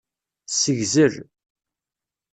Ssegzel.